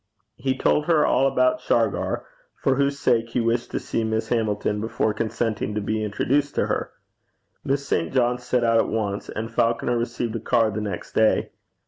He told her all about Shargar, for whose sake he wished to see Miss Hamilton before consenting to be introduced to her. Miss St. John set out at once, and Falconer received a card the next day.